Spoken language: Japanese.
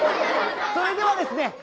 それではですね